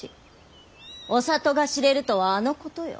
お里が知れるとはあのことよ！